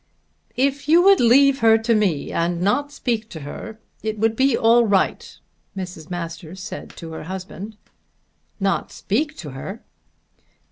"If you would leave her to me and not speak to her, it would be all right," Mrs. Masters said to her husband. "Not speak to her!"